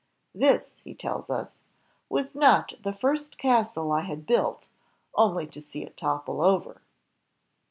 "This," he tells us, "was not the first castle I had built, only to see it topple over."